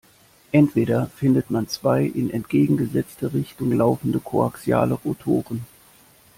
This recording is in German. Entweder findet man zwei in entgegengesetzte Richtung laufende koaxiale Rotoren.